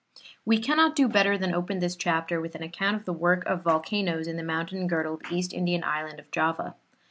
We cannot do better than open this chapter with an account of the work of volcanoes in the mountain girdled East Indian island of Java.